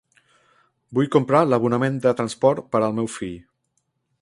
Vull comprar l'abonament de transport per al meu fill.